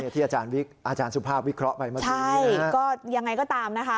ที่อาจารย์สุภาพวิเคราะห์ไปเมื่อกี้ใช่ก็ยังไงก็ตามนะคะ